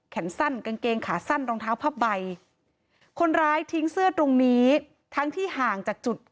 สั้นกางเกงขาสั้นรองเท้าผ้าใบคนร้ายทิ้งเสื้อตรงนี้ทั้งที่ห่างจากจุด